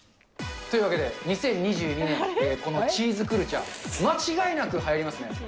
というわけで２０２２年、このチーズクルチャ、間違いなくはやりますね。